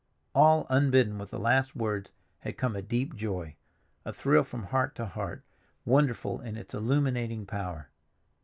All unbidden with the last words had come a deep joy, a thrill from heart to heart, wonderful in its illuminating power.